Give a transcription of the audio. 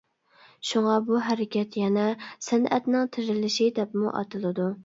شۇڭا، بۇ ھەرىكەت يەنە ‹ ‹سەنئەتنىڭ تىرىلىشى› › دەپمۇ ئاتىلىدۇ.